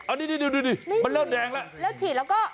เลิกละแดงแล้ว